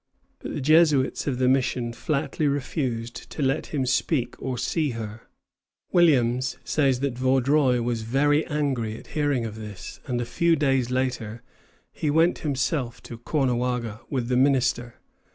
But the Jesuits of the mission flatly refused to let him speak to or see her. Williams says that Vaudreuil was very angry at hearing of this; and a few days after, he went himself to Caughnawaga with the minister.